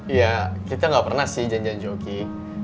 iya kita gak pernah sih janjian jogging